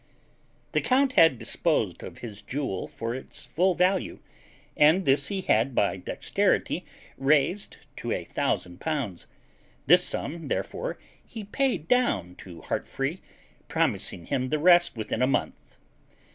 The count had disposed of his jewel for its full value, and this he had by dexterity raised to a thousand pounds; this sum therefore he paid down to Heartfree, promising him the rest within a month.